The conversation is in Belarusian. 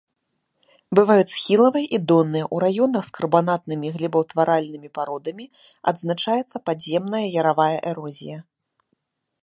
Бываюць схілавыя і донныя, у раёнах з карбанатнымі глебаўтваральнымі пародамі адзначаецца падземная яравая эрозія.